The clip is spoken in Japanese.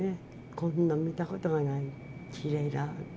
こんなん見たことがない、きれいだって。